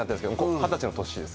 二十歳の年です。